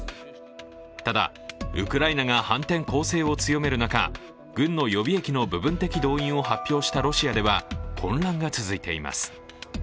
ただ、ウクライナが反転攻勢を強める中、軍の予備役の部分的動員を発表したロシアでは混乱が続いています。